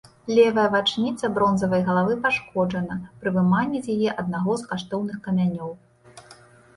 Левая вачніца бронзавай галавы пашкоджана пры выманні з яе аднаго з каштоўных камянёў.